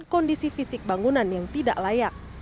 kondisi fisik bangunan yang tidak layak